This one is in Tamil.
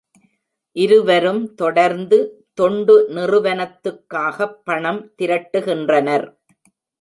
இருவரும் தொடர்ந்து தொண்டு நிறுவனத்துக்காகப் பணம் திரட்டுகின்றனர்.